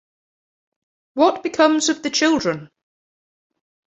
What Becomes of the Children?